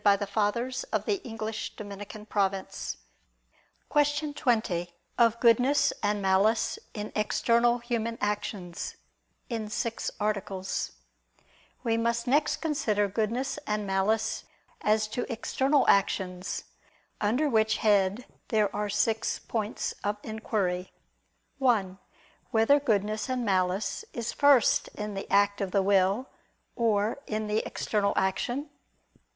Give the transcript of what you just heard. But there is no question of this here. ________________________ QUESTION 20 OF GOODNESS AND MALICE IN EXTERNAL HUMAN ACTIONS (In Six Articles) We must next consider goodness and malice as to external actions: under which head there are six points of inquiry: (1) Whether goodness and malice is first in the act of the will, or in the external action?